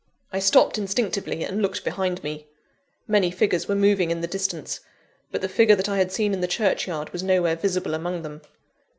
I stopped instinctively, and looked behind me. Many figures were moving in the distance; but the figure that I had seen in the churchyard was nowhere visible among them.